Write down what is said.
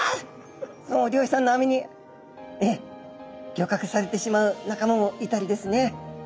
もう漁師さんの網に漁獲されてしまう仲間もいたりですね。